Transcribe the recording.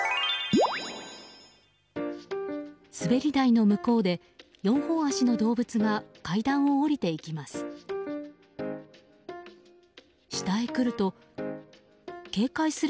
滑り台の向こうで４本足の動物が階段を下りていきます。